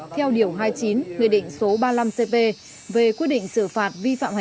theo điều hai mươi chín nguyên định số ba mươi năm cp